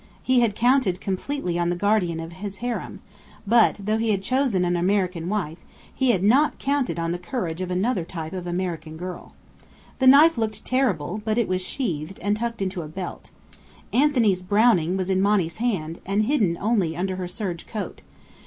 He had counted completely on the guardian of his harem, but though he had chosen an American wife, he had not counted on the courage of another type of American girl. The knife looked terrible; but it was sheathed and tucked into a belt. Anthony's Browning was in Monny's hand, and hidden only under her serge coat.